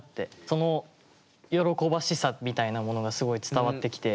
その喜ばしさみたいなものがすごい伝わってきて。